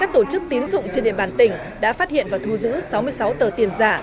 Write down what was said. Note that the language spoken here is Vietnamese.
tỉnh trên địa bàn tỉnh đã phát hiện và thu giữ sáu mươi sáu tờ tiền giả